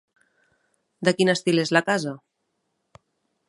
De quin estil és la casa?